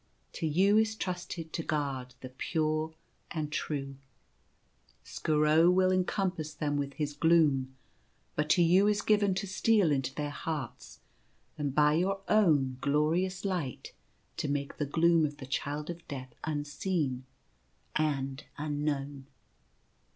To you is trusted to guard the pure and true. Skooro will ea compass them with his gloom ; but to you is given to steal into their hearts and by your own glorious light to make the gloom of the Child of Death unseen and un known.